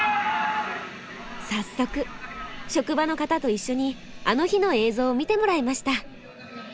早速職場の方と一緒に「あの日」の映像を見てもらいました。